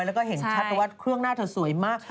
แล้วก็เห็นชัดเลยว่าเครื่องหน้าเธอสวยมาก